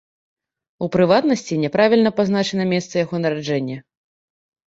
У прыватнасці, няправільна пазначана месца яго нараджэння.